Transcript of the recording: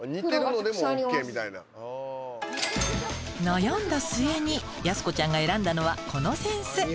悩んだ末にやす子ちゃんが選んだのはこの扇子。